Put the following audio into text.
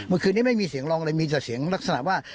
เมื่อคืนนี้ไม่มีเสียงร้องเลยมีแต่เสียงลักษณะว่า